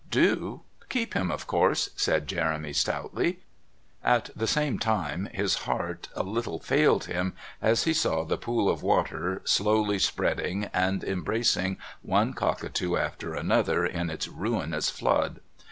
"Do? Keep him, of course," said Jeremy stoutly; at the same time his heart a little failed him as he saw the pool of the water slowly spreading and embracing one cockatoo after another in its ruinous flood.